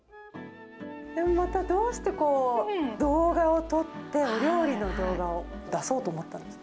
またどうして動画を撮って、お料理の動画を出そうと思ったんですか？